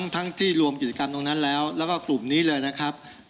ทั้งที่รวมกิจกรรมตรงนั้นแล้วแล้วก็กลุ่มนี้เลยนะครับ